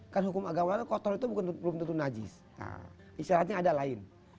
kan hukum agama kotor itu bukan berbentuk najis nah isyaratnya ada lain